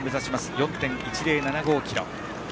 ４．１０７５ｋｍ。